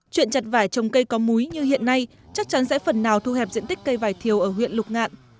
chuyện chặt vải trồng cây có múi như hiện nay chắc chắn sẽ phần nào thu hẹp diện tích cây vải thiều ở huyện lục ngạn